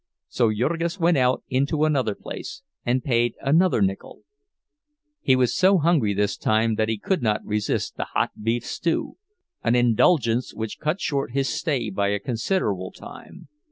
So Jurgis went out into another place, and paid another nickel. He was so hungry this time that he could not resist the hot beef stew, an indulgence which cut short his stay by a considerable time.